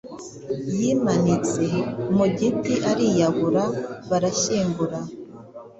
yimanitse. Mugiti ariyahura barashyingura